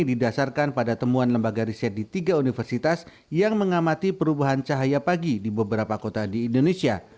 didasarkan pada temuan lembaga riset di tiga universitas yang mengamati perubahan cahaya pagi di beberapa kota di indonesia